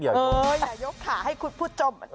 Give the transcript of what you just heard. อย่ายกขาให้คุณพูดจม